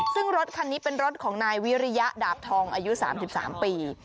ซึ่งรถคันนี้เป็นรถของนายวิริยดาบทองอายุ๓๓ปี